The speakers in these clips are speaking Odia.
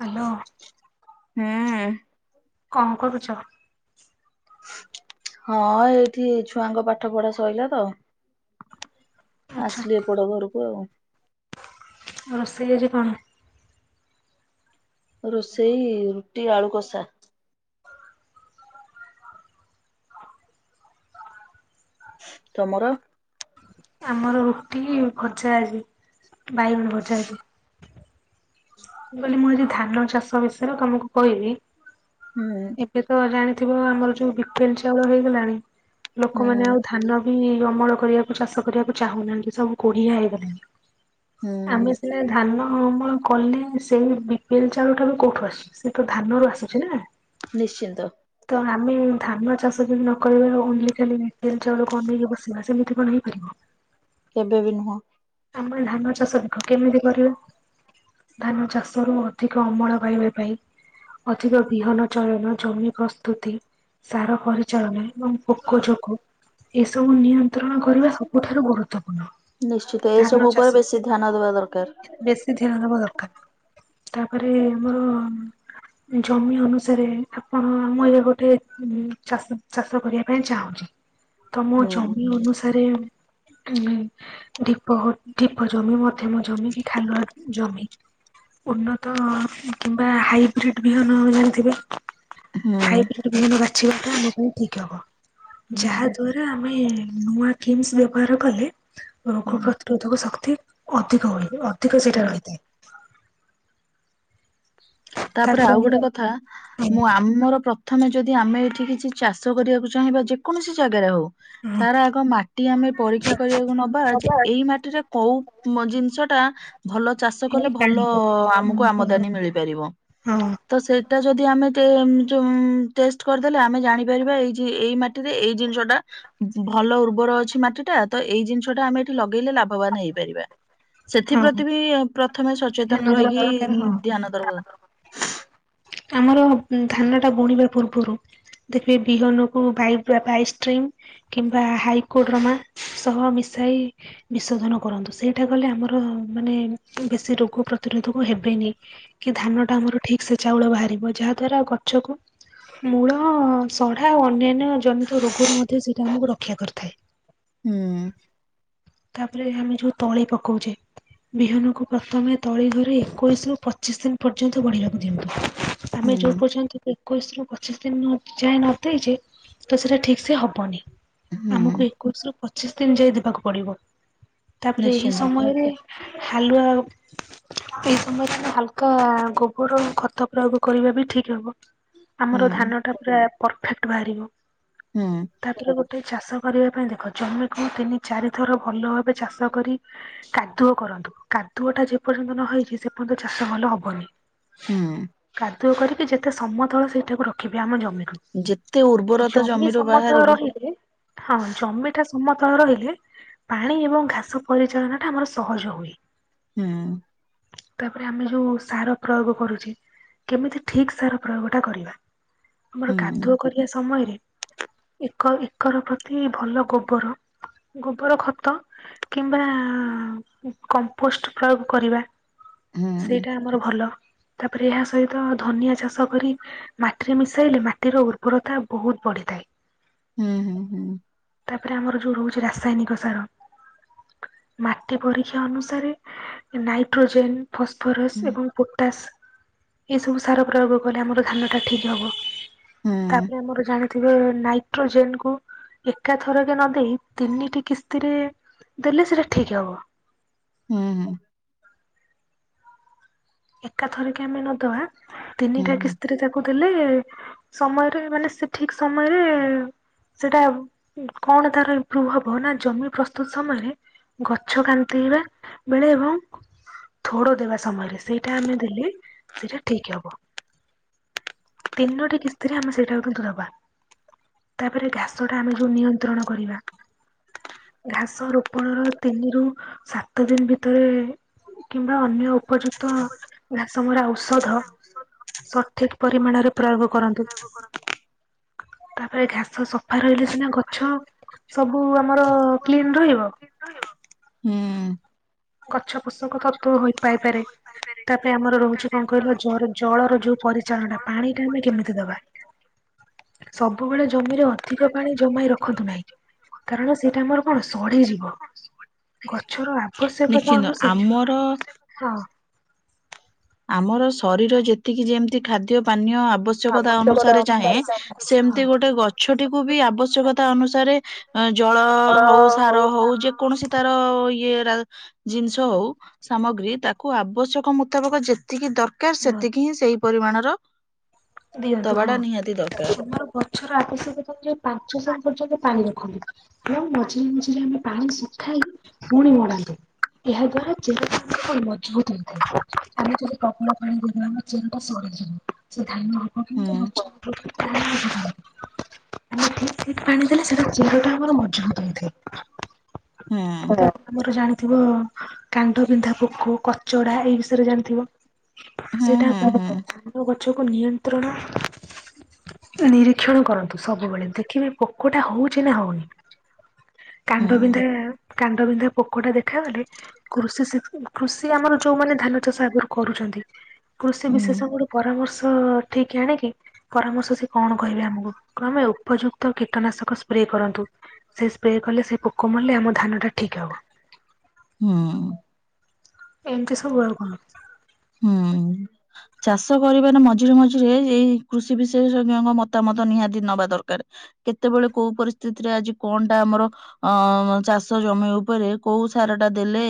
ହ୍ୟାଲୋ। ହଁ। କ'ଣ କରୁଛ? ହଁ ଏଇଠି ଛୁଆଙ୍କ ପାଠ ପଢା ସରିଲା ତ। ଆଚ୍ଛା ଆସିଲି ଏ ପଡ ଘରକୁ ଆଉ। ରୋଷେଇ ଘରେ କ'ଣ? ରୋଷେଇ ରୁଟି ଆଳୁ କଷା। ତମର ଆମର ରୁଟି ଭଜା ଆଜି ବାଇଗଣ ଭଜା ଆଜି। ମୁଁ କହିଲି ମୁଁ ଆଜି ଧାନ ଚାଷ ବିଷୟରେ ତମକୁ କହିବି। ହୁଁ। ଏବେ ତ ଜାଣିଥିବ ଆମର ଯୋଉ ବି ପି ଏଲ ଚାଉଳ ହେଇଗଲାଣି ଲୋକମାନେ ହୁଁ ଆଉ ଧାନ ବି ଅମଳ କରିବାକୁ ଚାଷ କରିବାକୁ ଚାହୁଁନାହାନ୍ତି ସବୁ କୋଡ଼ିହା ହେଇଗଲେଣି। ହୁଁ ଆମେ ସିନା ଧାନ ଅମଳ କଲେ ସେଇ ବି ପି ଏଲ ଚାଉଳ ଟା ବି କୋଉଠୁ ଆସୁଚି ସେ ତ ଧାନରୁ ଆସୁଛି ନା। ନିଶ୍ଚିନ୍ତ। ତ ଆମେ ଧାନ ଚାଷ ଯମି ନକରିବା ଓନ୍ଲି ଖାଲି ବି ପି ଏଲ ଚାଉଳ କୁ ଅନେଇକି ବସିବା ସେମିତି କଣ ହେଇପାରିବ। କେବେ ବି ନୁହଁ। ଆମେ ଧାନ ଚାଷ ଦେଖ କେମିତି କରିବା। ଧାନ ଚାଷରୁୁ ଅଧିକ ଅମଳ ପାଇବା ପାଇଁ ଅଧିକ ବିହନ ଚଳନ ଜମି ପ୍ରସ୍ତୁତି ସାର ପରିଚାଳନା ଏବଂ ପୋକ ଯୋକ ଏସବୁ ନିୟନ୍ତ୍ରଣ କରିବା ସବୁଠାରୁ ଗୁରୁତ୍ୱପୂର୍ଣ୍ଣ। ନିଶ୍ଚିତ ଏଇ ଧାନ ସବୁ ଚାଷ ଉପରେ ବେଶୀ ଧ୍ୟାନ ଦେବା ଦରକାର। ବେଶୀ ଧ୍ୟାନ ଦବା ଦରକାର ତାପରେ ଆମର ଜମି ଅନୁସାରେ ଆପଣ ମୁଁ ଏବେ ଗୋଟେ ଚାଷ ଚାଷ କରିବା ପାଇଁ ଚାହୁଁଚି। ତମ ହୁଁ। ଜମି ଅନୁସାରେ ଉ ଢି ପହ ଢିପ ଜମି ମଧ୍ୟମ ଜମି କି ଖାଲୁଆ ଜମି। ଉନ୍ନତ କିମ୍ବା ହାଇବ୍ରିଡ ବିହନ ଜାଣିଥିବେ ହୁଁ। ହାଇବ୍ରି ବିହନ ବାଛିବାଟା ଆମ ପାଇଁ ଠିକ ହବ। ଯାହା ହୁଁ ଦ୍ଵାରା ଆମେ ନୂଆ କିମ୍ସ୍ ବ୍ୟବହାର କଲେ ରୋଗ ପ୍ର ହୁଁ। ରୋଧକ ଶକ୍ତି ଅଧିକ ହୁଏ ଅଧିକ ସେଇଟା ରହିଥାଏ। ତାପରେ ଆଉ ଗୋଟେ କଥା ହଁ ମୁଁ ଆମର ପ୍ର ଥମେ ଯଦି ଆମେ ଏଇଠି କିଛି ଚାଷ କରିବାକୁ ଚାହିଁବା ଯେକୌଣସି ଜାଗାରେ ହଉ। ତାର ଆଗ ମାଟି ଆମେ ପରୀକ୍ଷା କରିବାକୁ ନବା ଯେ ହଁ ଏଇ ମାଟିରେ କୋଉ ମ ଜିନିଷ ଟା ଭଲ ଚାଷ କଲେ ଭଲ ଆମକୁ ଆମଦାନୀ ମିଳିପାରିବ। ହଁ। ତ ସେଇଟା ଯଦି ଆମେ ଟେ ଯ ଟେଷ୍ଟ କରିଦେଲେ ଆମେ ଜାଣିପାରିବା ଏଇ ଏଇ ମାଟି ରେ ଏଇ ଜିନିଷ ଟା ଭଲ ଉର୍ବର ଅଛି ମାଟି ଟା ତ ଏଇ ଜିନିଷଟା ଆମେ ଏଠି ଲଗେଇଲେ ଲାଭ ବାନ ହେଇପାରିବା ହଁ ସେଥିପ୍ରତି ବି ପ୍ରଥମେ ଧ୍ୟାନ ସଚେତନ ଦେବା ରହିକି ଦରକାର ହଁ। ଧ୍ୟାନ ଦରବ ଆମର ଧାନ ଟା ବୁଣିବା ପୂର୍ବରୁ ଦେଖିବେ ବିହନକୁ ଭାଇବ୍ରା ପ୍ରାଇଷ୍ଟେନ୍ କିମ୍ବା ହାଇକୋର୍ଟରମା ସହ ମିଶାଇ ବିଶୋଧନ କରନ୍ତୁ ସେଇଟା କଲେ ଆମର ମାନେ ବେଶୀ ରୋଗ ପ୍ରତିରୋଧକ ହେବେନି। କି ଧାନ ଟା ଆମର ଠିକ ସେ ଚାଉଳ ବାହାରିବ ଯାହା ଦ୍ଵାରା ଗଛକୁ ମୂଳ ସଢା ଅନ୍ୟାନ୍ୟ ଅନ୍ୟ ଜନିତ ରୋଗରୁ ମଧ୍ୟ ସେଟା ଆମକୁ ରକ୍ଷା କରିଥାଏ। ହୁଁ ତାପରେ ଆମେ ଯୋଉ ତଳି ପକଉଛେ ବିହନକୁ ପ୍ରଥମେ ତଳି ଘରେ ଏକୋଇଶରୁ ପଚିଶ ଦିନ ପର୍ଯ୍ୟନ୍ତ ବଢ଼ିବାକୁ ଆମେ ହୁଁ। ଯୋଉ ପର୍ଯ୍ୟନ୍ତ ଏକୋଇଶ ରୁ ପଚି ସ ଦିନ ଯାଏ ନ ଦେଇଛି ତ ସେଟା ଠିକ ସେ ହବନି ହୁଁ। ଆମକୁ ଏକୋଇଶ ରୁ ପ ପଚିଶ ଦିନ ଯାଇ ଦବାକୁ ପଡିବ ତାପରେ ଏହି ନିଶ୍ଚିନ୍ତ। ସମୟରେ ହାଲୁଆ ଏଇ ସମୟ ରେ ହାଲକା ଗୋବର ଖତ ପ୍ରୟୋଗ କରିବା ବି ଠିକ ହବ ହୁଁ ଆମର ଧାନ ଟା ପୁରା ପରଫେକ୍ଟ ବାହାରିବ। ହୁଁ ତାପରେ ଗୋଟେ ଚାଷ କରିବା ପାଇଁ ଦେଖ ଜମିକୁ ତିନି ଚାରିଥର ଭଲ ଭାବେ ଚାଷ କରି କାଦୁଅ କରନ୍ତୁ କାଦୁଅ ଟା ଯେ ପର୍ଯ୍ୟନ୍ତ ନ ହେଇଛି ସେ ପର୍ଯ୍ୟନ୍ତ ଚାଷ ଭଲ ହବନି। ହୁଁ। କାଦୁଅ କରିକି ଯେତେ ସମତଳ ସେଇଟାକୁ ରଖିବେ ଆମ ଜମିକୁ। ଯେତେ ଉର୍ବରତା ଜମି ଜମିରୁ ସମତଳ ବାହାରିବ ରହିଲେ ହଁ ଜମିଟା ସମତଳ ରହିଲେ ପାଣି ଏବଂ ଘାସ ପରିଚାଳନା ଟା ଆମର ସହଜ ହୁଏ। ହୁଁ। ତାପରେ ଆମେ ଯୋଉ ସାର ପ୍ରୟୋଗ କରୁଚେ କେମିତି ଠିକ୍ ସାର ପ୍ରୟୋଗଟା କରିବା। ଆମର ହୁଁ କାଦୁଅ କରିବା ସମୟରେ ଏକ ଏକର ପ୍ରତି ଭଲ ଗୋବର ଗୋବର ଖତ କିମ୍ବା ଉ କମ୍ପୋଷ୍ଟ ପ୍ରୟୋଗ କରିବା। ହୁଁ ସେଇଟା ଆମର ଭଲ। ତାପରେ ଏହା ସହିତ ଧନିଆ ଚାଷ କରି ମାଟିରେ ମିଶାଇଲେ ମାଟିର ଉର୍ବରତା ବହୁତ ବଢିଥାଏ। ହୁଁ ହୁଁ ହୁଁ। ତାପରେ ଆମର ଯୋଉ ରହୁଚି ରାସାୟନିକ ସାର ମାଟି ପରୀକ୍ଷା ଅନୁସାରେ ନାଇଟ୍ରୋଜେନ ଫସଫରସ୍ ଏବଂ ପୋଟାସ୍। ଏଇ ସବୁ ସାର ପ୍ରୟୋଗ କଲେ ଆମର ଧାନ ଟା ଠିକ ହବ। ହୁଁ ତାପରେ ଆମର ଜାଣ ରେ ନାଇଟ୍ରୋଜେନକୁ ଏକାଥରକେ ନ ଦେଇ ତିନିଟି କିସ୍ତିରେ ଦେଲେ ସେଇଟା ଠିକ୍ ହବ। ହୁଁ ହୁଁ। ଏକାଥରକେ ଆମେ ନଦବା ହୁଁ ତିନିଟା କିସ୍ତିରେ ତାକୁ ଦେଲେ ସମୟରେ ମାନେ ସେ ଠିକ ସମୟରେ ସେଟା କଣ ତାର ଇମ୍ପ୍ରୁଭ ହବ ନା ଜମି ପ୍ରସ୍ତୁତ ସମୟରେ ଗଛ କାନ୍ଦେଇବା ବେଳେ ଏବଂ ଥୋଡ ଦେବା ସମୟରେ ସେଇ ଟା ଆମେ ଦେଲେ ସେଇଟା ଠିକ ହବ। ତିନୋଟି କିସ୍ତିରେ ଆମେ ସେଇଟା ଗୋଟେ ଦେବା। ତାପରେ ଘାସଟା ଆମେ ଯୋଉ ନିୟନ୍ତ୍ରଣ କରିବା। ଘାସ ରୋପଣର ତିନି ରୁ ସାତ ଦିନ ଭିତରେ କିମ୍ବା ଅନ୍ୟ ଉପଯୁକ୍ତ ଘାସମରା ଔଷଧ ସଠିକ ପରିମାଣରେ ପ୍ରୟୋଗ କରନ୍ତୁ। ତାପରେ ଘାସ ସଫା ରହିଲେ ସିନା ଗଛ ସବୁ ଆମର କ୍ଲିନ ରହିବ। ହୁଁ। ଗଛ ପୋଷୋକତତ୍ତ୍ୱ ହୋଇ ପାଇପାରେ ତା ପାଇଁ ଆମର ରହୁ କଣ କହିଲ ଜ ଜଳର ଯୋଉ ପରିଚାଳନା ପାଣି ଟା ଆମେ କେମିତି ଦବା? ସବୁବେଳେ ଜମିରେ ଅଧିକ ପାଣି ଜମାଇ ରଖନ୍ତୁ ନାହିଁ। କାରଣ ସେଇଟା ଆମର କଣ, ସଢିଯିବ। ଗଛର ଆବଶ୍ୟକତା ନିଶ୍ଚିନ୍ତ ଅନୁସାରେ। ଆମର ହଁ। ଆମର ଶରୀର ଯେତିକି, ଯେମିତି ଖାଦ୍ୟ ପାନୀୟ ଆବଶ୍ୟକତା ଅନୁସାରେ ଚାହେଁ ସେମିତି ଗୋଟେ ଗଛଟିକୁ ବି, ଆବଶ୍ୟକତା ଅନୁସାରେ ଅ ଜଳ ହଉ, ସାର ହଉ ଯେକୌଣସି ତାର ଇଏ ଜିନିଷ ହଉ ସାମଗ୍ରୀ ତାକୁ ଆବଶ୍ୟକ ମୁତାବକ, ଯେତେ ଯେତିକି ଦରକାର, ହଁ। ସେତିକି ହ ସେଇ ପରିମାଣର ଦିଅନ୍ତୁ ହଁ। ଦବାଟା ନିହାତି ଦରକାର କ ଗଛର ଆବଶ୍ୟକ ଅନୂଯାୟୀ ପାଞ୍ଚଶହ ପର୍ଯ୍ୟନ୍ତ ପାଣି ରଖନ୍ତୁ। ସେୟା ମଝିରେ ମଝିରେ ଆମେ ପାଣି ଶୁଖାଇ ପୁଣି ମଡାନ୍ତୁ। ଏହା ଦ୍ଵାରା, ଚେର କଣ ମଜବୁତ ହେଇଥାଏ। ଆମେ ଯଦି ପ୍ରବଳ ପାଣି ଦେଇଦବା, ଆମ ଚେର ଟା ସରିଯିବ। ଧାନ ହବ। ହୁଁ କିନ୍ତୁ [unintelligible] ଆଉ ଠିକ ଠିକ ପାଣି ଦେଲେ, ସେଟା ଚେର ଟା ଆମର ମଜବୁତ ହୁଁ ହେଇଥାଏ। ଆମର ଜାଣିଥିବ କାଣ୍ଡବିନ୍ଧା ପୋକ, କଚଡା ଏଇ ବିଷୟରେ ଜାଣିଥିବ। ହୁଁ ସେଇଟା ହୁଁ ହୁଁ [unintelligible] ଧାନ ଗଛକୁ, ନିୟନ୍ତ୍ରଣ ନିରୀକ୍ଷଣ କରନ୍ତୁ ସବୁବେଳେ। ଦେଖିବେ ପୋକଟା ହଉଚି ନା ହଉନି। କାଣ୍ଡ ବିନ୍ଧା, କାଣ୍ଡ ବିନ୍ଧା ପୋକଟା ଦେଖାଗଲେ କୃଷି, କୃଷି ଆମର ଯୋଉମାନେ, ଧାନ ଚାଷ ଆଗରୁ କରୁଛନ୍ତି। କୃଷି ହୁଁ ହୁଁ। ବିଶେଷଙ୍କ ଠୁ, ପରାମର୍ଶ ଠିକ ଆଣ କିି ପରାମର୍ଶ ସ କଣ କହିବେ ଆମକୁ। ଆମେ ଉପଯୁକ୍ତ କୀଟନାଶକ ସ୍ପ୍ରେ କରନ୍ତୁ। ସେ ସ୍ପ୍ରେ କଲେ। ସେ ପୋକ ମାଲେ। ଆମ ଧାନଟା ଠିକ ହବ। ହଁ। ଏମିତି ସବୁ ଆଉ କଣ? ହୁଁ। ଚାଷ କରିବାର ମଝିରେ ମଝିରେ। ଏଇ କୃଷି ବିଶେଷଜ୍ଞଙ୍କ ମତାମତ, ନିହାତି ନବା ଦରକାର। କେତେବେଳେ କୋଉ ପରିସ୍ଥିତିରେ, ଆଜି କଣଟା ଆମର ଅ ଚାଷ ଜମି ଉପରେ, କୋଉ ସାର ଟା ଦେଲେ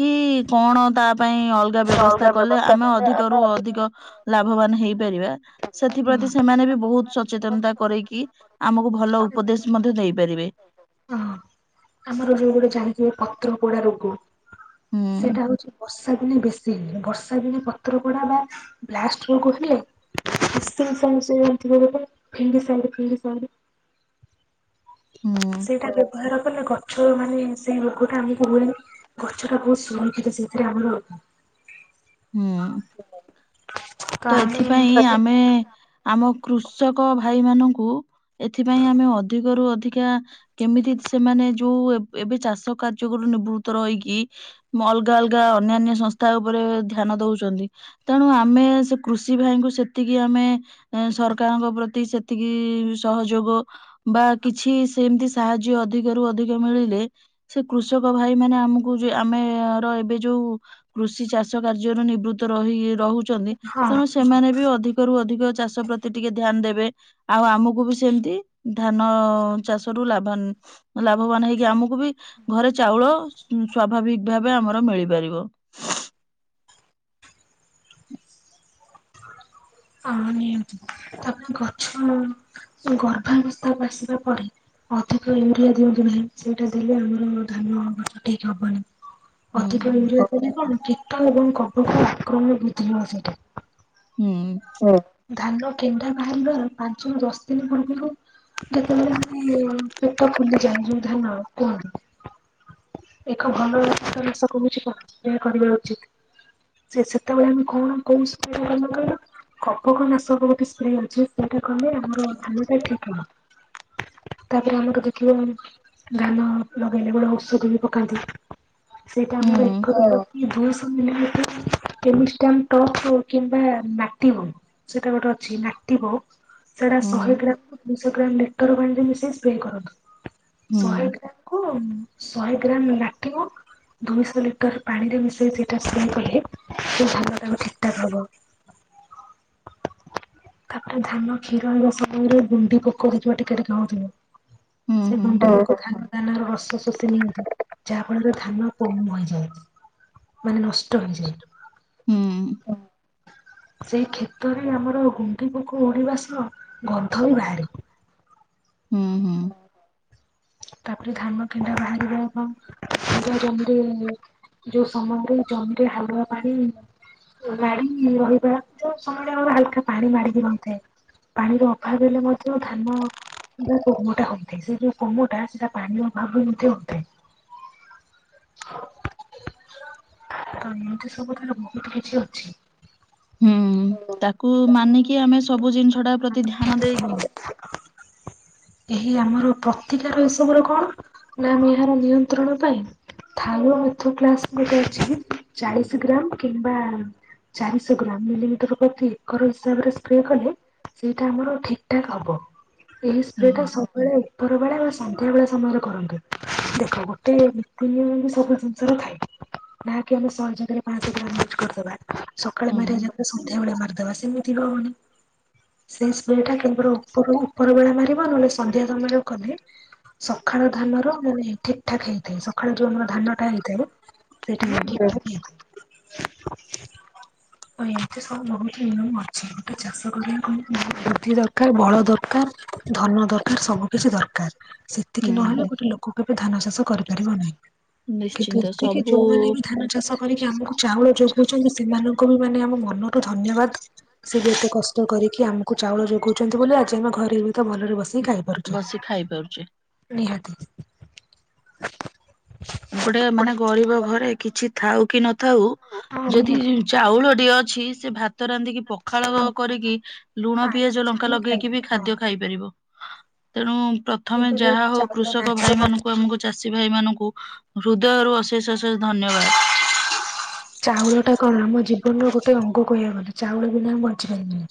କି କଣ ତା ପାଇଁ ଅଲଗା ବ୍ୟବସ୍ଥା। କଲେ। ଆମେ ଅଧିକରୁୁ ଅଧିକ, ଲାଭବାନ ହେଇପାରିବା। ହଁ। ସେଥିପ୍ରତି, ସେମାନେ ବି ବହୁତ ସଚେତନତା କରେକି। ଆମକୁ ଭଲ ଉପଦେଶ ମଧ୍ୟ ଦେଇପାରିବେ। ହଁ। ଆମର ଯୋଉ ଗୋଟେ ଜାଣିଥିବ, ପତ୍ର ପୋଡା ରୋଗ। ହୁଁ ସେଇଟା ହଉଛି ବର୍ଷା ଦିନେ ବେଶୀ। ହେ ବର୍ଷା ଦିନ ପତ୍ର କଡା ବା ବ୍ଲାଷ୍ଟ ରୋଗ ହେଲେ। [unintelligible] ହୁଁ ସେଇଟା ବ୍ୟବହାର କଲେ, ଗଛ ମାନେ ସେଇ ରୋଗ ଟା ଆମକୁ ହୁଏନି। ଗଛଟା ବହୁତ ସୁରକ୍ଷିତ ସେଇଥିରେ ଆମର ହୁଁ। ତ ଏଥିପାଇଁ ଆମେ ଆମ କୃଷକ ଭାଇ ମାନଙ୍କୁ, ଏଥିପାଇଁ ଆମେ ଅଧିକରୁୁ ଅଧିକା କେମିତି ସେମାନେ ଯୋଉ, ଏବେ ଚାଷ କାର୍ଯ୍ୟରୁ ନିବୃତ୍ତ ରହିକି। ମୁଁ ଅଲଗା ଅଲଗା। ଅନ୍ୟାନ୍ୟ ସଂସ୍ଥା ଉପରେ ଧ୍ୟାନ ଦଉଛନ୍ତି। ତେଣୁ ଆମେ ସେ କୃଷି ଭାଇଙ୍କୁ, ସେତିକି ଆମେ ଏ ସରକାରଙ୍କ ପ୍ରତି, ସେତିକି ସହଯୋଗ। ବା କିଛି ସେମତି ସାହାଯ୍ୟ, ଅଧିକରୁୁ ଅଧିକ ମିଳିଲେ। ସେ କୃଷକ ଭାଇ ମାନେ। ଆମକୁ ଯ, ଆମେ ର ଏବେ ଯୋଉ କୃଷି ଚାଷ। କାର୍ଯ୍ୟରୁ ନିବୃତ୍ତ ରହି ରହୁଛନ୍ତି। ହଁ ତେଣୁ ସେମାନେ ବି ଅଧିକ ରୁ ଅଧିକ, ଚାଷ ପ୍ରତି ଟିକେ ଧ୍ୟାନ ଦେବେ। ଆଉ ଆମକୁ ବି ସେମିତି, ଧାନ ଚାଷ ରୁ ଲାଭ ଲାଭବାନ ହେଇକି, ଆମକୁ ବି ଘରେ ଚାଉଳ ସ୍ୱାଭାବିକ ଭାବେ ଆମର ମିଳିପାରିବ। [inaudible] ହଁ ନିଅନ୍ତ ତାପରେ ଗଛ ଗର୍ଭାବସ୍ଥାକୁ ଆସିବା ପରେ। ଅଧିକ ୟୁରିଆ ଦିଅନ୍ତୁ ନାହିଁ ସେଇଟା ଦେଲେ ଆମର ଧାନ ଗଛ ଠିକ ହବନି। ହୁଁ ଅଧିକ ୟୁରିଆ କଣ କୀଟ ଏବଂ କବକ ଆକ୍ରମ ବୁଝିବ ସେଇଟା। ହୁଁ। ଧାନ କେଣ୍ଡା ବାହାରିବାର ପାଞ୍ଚରୁୁ ଦଶ ଦିନ ପୂର୍ବରୁ। ଯେତେବେଳେ ପେଟ ଫୁଲି ଯାଏ ଧାନ ର କୁହନ୍ତି। ଏକ ଭଲଷ [unintelligible] କହୁଛି ପା କରିବା ଉଚିତ। ସେ ସେତେବେଳେ ଆମେ କଣ କୋଉ କରିବା କହିଲ। କବକ ନାଶକ ଗୋଟେ ସ୍ପ୍ରେ ଅଛି ସେଇଟା କଲେ ଆମର ଧାନ ଟା ଠିକ ହବ। ତାପରେ ଆମର ଦେଖିବ ଧାନ ଲଗେଇଲେ। [unintelligible] କଦି। [unintelligible] ସେଇଟା ହୁଁ ଆମର ଏକତା ଦୁଇଶହ ମିଲି ଲିଟର [unintelligible] କିମ୍ବା। ନାଟିବ ସେଇଟା ଗୋଟେ ଅଛି ନାଟିବୋ। ସେଟା ହୁଁ ଶହେ ଗ୍ରାମରୁୁ ଦୁଇଶହ ଗ୍ରାମ ଲେଟର ବାଣ୍ରେ ମିଶାଇ ସ୍ପ୍ରେ କରନ୍ତୁ। ହୁଁ ଶହେ ଗ୍ରାମ କୁ ଶହେ ଗ୍ରାମ ଲାଟିବ। ଦୁଇଶହ ଲିଟର ପାଣିରେ ମିଶାଇ ସେଟା ସ୍ପ୍ରେ କଲେ ସେ ଧାନ ବି ଠିକଠାକ ହବ। ତାପରେ ଧାନ କ୍ଷୀର ଏ ସମୟରେ ଗୁଣ୍ଡି ପୋକ ଦେଖିବା ଟିକେ ଗାଁଥିବ। ହୁଁ ସେ ହୁଁ ହୁଁ [unintelligible] ଶୋଷ ନିଅନ୍ତୁ। ଧାନ କମ ହୋଇଯାଏ ମାନେ ନଷ୍ଟ ହେଇଯାଏ। ହୁଁ ସେଇ କ୍ଷତ। ଖେତରେ ଆମର ଗୁଣ୍ଡି ପୋକ ଉଡ଼ିବା ସହ ଗନ୍ଧରୁ ବାହାରେ। ହୁଁ ହୁଁ। ତାପରେ ଧାନ କିଣ୍ଡା ବାହାରିବ ଏବଂ ଜମିରେ ଯୋଉ ସମୟରେ ଜମିରେ ହାଲୁଆ ପାଣି ଗଡି ରହି। ହାଲକା ପାଣି ମାଡିକି ରହିଥାଏ। ପାଣିର ଅଭାବ ହେଲେ ମଧ୍ୟ ଧାନ ବା କୋହମଟା ହଉଥାଏ ସେ ଯଉ। କମୁ ଟା ସେ ଟା। [unintelligible] ତ ଏମିତି ସବୁ ଥରେ ବହୁତ କିଛି ଅଛି। ହୁଁ ତାକୁ ମାନିକି ଆମେ ସବୁ ଜିନିଷ ଟା ପ୍ରତି ଧ୍ୟାନ ଖରାପ ଦେଇକି। ଭାବେ ଏହି ଆମର। ପ୍ରତିକାର ଏସବୁରେ କଣ ନା ଆମେ ଏହାର ନିୟନ୍ତ୍ରଣ ପାଇଁ ଥାରୁ [unintelligible] ଚାଳିଶ ଗ୍ରାମ କିମ୍ବା। ଚାରିଶହ ଗ୍ରାମ ମିଲିମିଟର ପ୍ରତି ଏକର ହିସାବରେ। ସ୍ପ୍ରେ କଲେ ସେଇଟା ଆମର ଠିକ ଠାକ୍ ହବ ଏହି ହୁଁ ସ୍ପ୍ରେ ଟା ସବୁବେଲେ ସବୁବେଳେ ବା ସନ୍ଧ୍ୟା ବେଳ ସମୟରେ କରନ୍ତୁ ଦେଖ ଗୋଟେ ନୀତିନିୟମ ବି ସବୁ ଜିନିଷର ଥାଏ। ନାକି ଆମେ ସହେ ଜାଗାରେ ପାଁଶ ଟଙ୍କା ୟୁ୍ଜ୍ କରିଦବା ସକାଳେ ହୁଁ ମାରିବା ଯାଗା ରେ ସନ୍ଧ୍ୟାବେେଳେ ମାରିଦବା ସେମିତି ହବ ସେ ସ୍ପ୍ରେଟା କେବଳ ଉପର ଉପର ବେଳା ମାରିବ ନହେଲେ ସନ୍ଧ୍ୟା ସମୟରେ। କଲେ ସକାଳ ଧାନ ର ମାନେ ଠିକଠାକ ହେଇଥାଏ, ସକାଳ ଜୋନର ଧାନଟା ହେଇଥାଏ। ସେଟା ହୁଁ ବି ଠିକ। [unintelligible] [inaudible] ଏମିତି ସବୁ ବହୁତ ନିୟମ ଅଛି ଗୋଟେ ଚାଷ କରିବାକୁ ବ ବୃଦ୍ଧି ଦରକାର ବଳ ଦରକାର। ଧାନ ଦରକାର ସବୁ କିିଛି ଦରକାର ସେତିକି ନହେଲେ ହୁଁ ଗୋଟେ ଲୋକ କେବେ ଧାନ ଚାଷ କରିପାରିବ ନାହିଁ। କିନ୍ତୁ ନିଶ୍ଚିନ୍ତ ଏତିକି ସବୁ ଯୋଉମାନେ ବି ଧାନ ଚାଷ କରିକି ଆମକୁ ଚାଉଳ ଯୋଗଉଛନ୍ତି ସେମାନଙ୍କୁ ବି ମାନେ ଆମ ମନରୁୁ ଧନ୍ୟବାଦ। ସିଏ ବି ଏତେ କଷ୍ଟ କରିକି ଆମକୁ ଚାଉଳ ଯୋଗଉଛନ୍ତି ବୋଲି ଆଜି ଆମେ ଘରେ ବି ତ ଭଲରେ ବସିକି ଖାଇପାରୁ। ବସି ଖାଇପାରୁଛୁ। ନିହାତି। ଗୋଟେ ମାନେ ଗରିବ ଘରେ କିଛି ଥାଉ କି ନଥାଉ ହଁ ଯଦି ନିହାତି ଚାଉଳଟିଏ ଅଛି ସେ ଭାତ ରାନ୍ଧିକି ପ ହଁ ପଖାଳ ହଁ। କରିକି ଲୁଣ ଆଳୁ ପିଆଜ ଲଙ୍କା ସିଝେଇକି ଲଗେଇକି ଖାଇଦେଲେ ବି ହଁ ଖାଦ୍ୟ ଖାଇପାରିବ। ତେଣୁ ପ୍ରଥମେ କିନ୍ତୁ ଯୋଉ ଯାହା ହଉ ଚାଉଳ କୃଷକ ଭାଇ ନାହିଁ ମାନଙ୍କୁ ଆମକୁ ଚାଷୀ ଭାଇ ମାନଙ୍କୁ ହୃଦୟରୁ ଅଶେଷ ଅଶେଷ ଧନ୍ୟବାଦ। ଚାଉଳଟା କଣ ଆମ ଜୀବନର ଗୋଟେ ଅଙ୍ଗ କହିବାକୁ ଗଲେ ଚାଉଳ ବିନା ଆମେ ବଞ୍ଚିପାରିବାନି।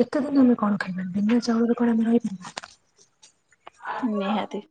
କେତେ ଦିନ ଆମେ କଣ ଖାଇବା ବିନା ଚାଉଳରେ କଣ ଆମେ ରହିପାରିବା? ନିହାତି।